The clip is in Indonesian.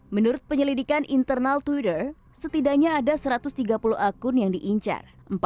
menurut penyelidikan internal twitter setidaknya ada satu ratus tiga puluh akun yang diincar